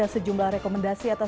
pan sus terima kasih